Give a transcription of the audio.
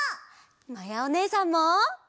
まやおねえさんも！